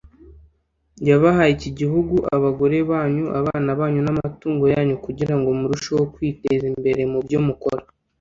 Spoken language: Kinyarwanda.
yabahaye iki gihugu Abagore banyu abana banyu n amatungo yanyu kugirango murusheho kwiteza imbere mubyo mukora